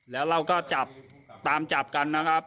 แล้วเราก็จับตามจับกันนะครับ